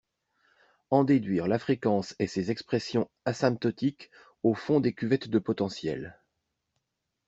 En déduire la fréquence et ses expressions asymptotiques au fond des cuvettes de potentiels